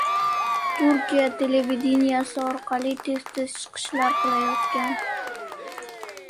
Turkiya televideniyesi orqali tez-tez chiqishlar qilayotgan